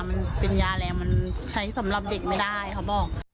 มันเป็นยาแรงมันใช้สำหรับเด็กไม่ได้เขาบอก